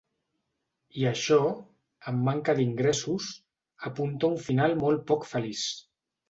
I això, amb manca d’ingressos, apunta a un final molt poc feliç.